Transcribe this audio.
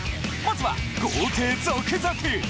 まずは豪邸続々。